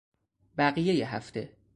بقیهی هفته